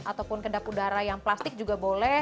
ataupun kedap udara yang plastik juga boleh